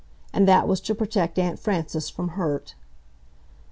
And that was to protect Aunt Frances from hurt.